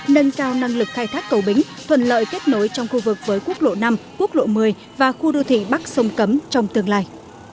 nâng cao năng lực khai thác cầu bính thuận lợi kết nối trong khu vực với quốc lộ năm quốc lộ một mươi và khu đô thị bắc sông cấm trong tương lai